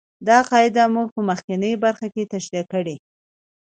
دا قاعدې موږ په مخکینۍ برخه کې تشرېح کړې.